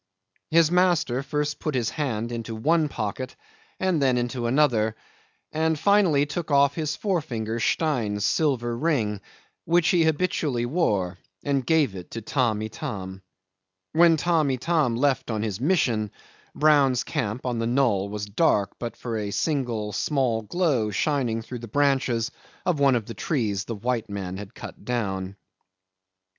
His master first put his hand into one pocket, then into another, and finally took off his forefinger Stein's silver ring, which he habitually wore, and gave it to Tamb' Itam. When Tamb' Itam left on his mission, Brown's camp on the knoll was dark but for a single small glow shining through the branches of one of the trees the white men had cut down.